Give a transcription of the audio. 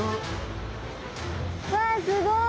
わあすごい！